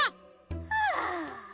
はあ。